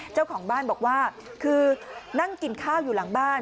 เจ้าของบ้านบอกว่าคือนั่งกินข้าวอยู่หลังบ้าน